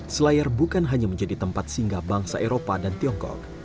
selayar bukan hanya menjadi tempat singgah bangsa eropa dan tiongkok